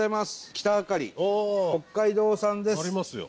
きたあかり北海道産です。